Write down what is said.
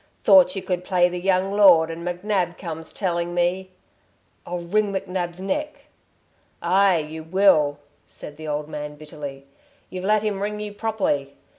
"Thought you could play the young lord ... and McNab comes telling me " "I'll wring McNab's neck!" "Aye, you will," said the old man, bitterly. "You've let him wring you properly.